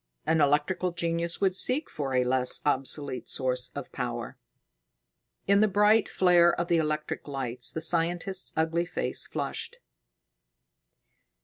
An electrical genius would seek for a less obsolete source of power." In the bright flare of the electric lights, the scientist's ugly face flushed.